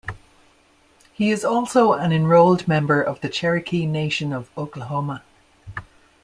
He is also an enrolled member of the Cherokee Nation of Oklahoma.